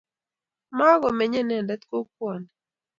Makomenyei inendet kokwani